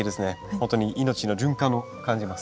本当に命の循環を感じます。